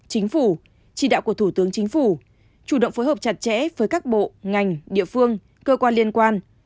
chính phủ chỉ đạo của thủ tướng chính phủ chủ động phối hợp chặt chẽ với các bộ ngành địa phương cơ quan liên quan